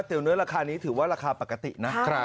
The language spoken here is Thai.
เตี๋ยวเนื้อราคานี้ถือว่าราคาปกตินะครับ